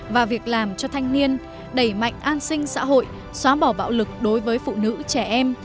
và việc làm cho thanh niên đẩy mạnh an sinh xã hội xóa bỏ bạo lực đối với phụ nữ trẻ em